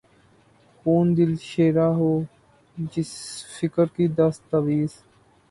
خون دل شیراں ہو، جس فقر کی دستاویز